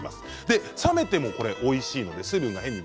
冷めてもおいしいんです。